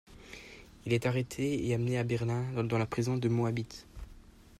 Il est arrêté et amené à Berlin, dans la prison de Moabit.